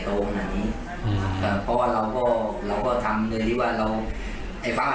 เพราะว่าเราก็ทำด้วยที่ว่าเรา